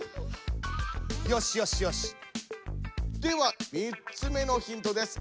では３つ目のヒントです。